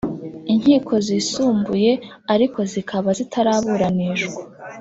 Inkiko Zisumbuye ariko zikaba zitaraburanishwa